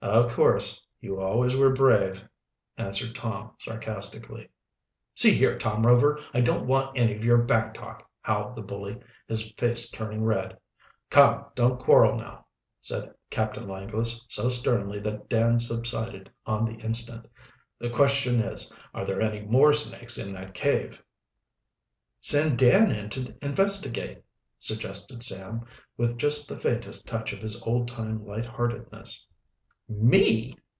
"Of course you always were brave," answered Tom sarcastically. "See here, Tom Rover, I don't want any of your back talk," howled the bully, his face turning red. "Come, don't quarrel now," said Captain Langless, so sternly that Dan subsided on the instant. "The question is, are there any more snakes in that cave?" "Send Dan in to investigate," suggested Sam, with just the faintest touch of his old time light heartedness. "Me?"